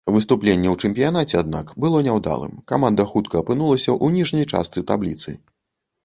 Выступленне ў чэмпіянаце, аднак, было няўдалым, каманда хутка апынулася ў ніжняй частцы табліцы.